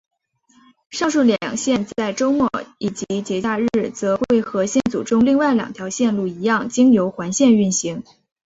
上述两线在周末以及节假日则会和线组中另外两条线路一样经由环线运行。